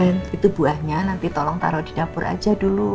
dan itu buahnya nanti tolong taro di dapur aja dulu